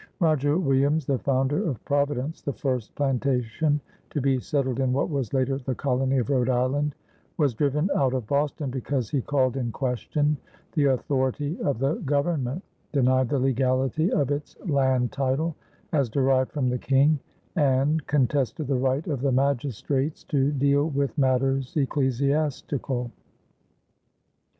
Roger Williams, the founder of Providence the first plantation to be settled in what was later the colony of Rhode Island was driven out of Boston because he called in question the authority of the government, denied the legality of its land title as derived from the King, and contested the right of the magistrates to deal with matters ecclesiastical.